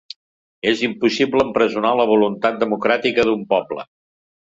És impossible empresonar la voluntat democràtica d'un poble.